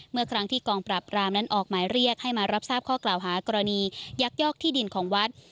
เมื่อครั้งที่กองปราบรามนั้นออกหมายเรียกให้มารับทราบข้อกล่าวหากรณียักยอกที่ดินของวัด